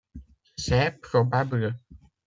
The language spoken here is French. C'est probable.